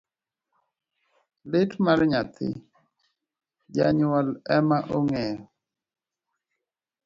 Lit mar nyathi, janyuol ema ong'eyo.